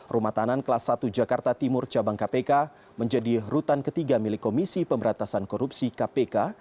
rumah tahanan kelas satu jakarta timur cabang kpk menjadi rutan ketiga milik komisi pemberantasan korupsi kpk